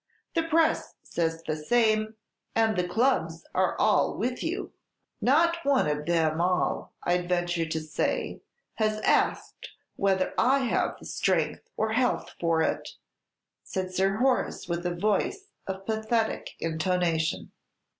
The Press says the same, and the clubs are all with you." "Not one of them all, I'd venture to say, has asked whether I have the strength or health for it," said Sir Horace, with a voice of pathetic intonation.